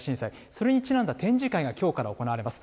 それにちなんだ展示会がきょうから行われます。